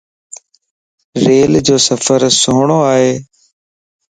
ريلَ جو سفر سھڻو ائي.